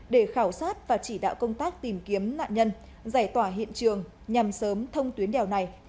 để khảo sát và chỉ đạo công tác tìm kiếm nạn nhân giải tỏa hiện trường nhằm sớm thông tuyến đèo này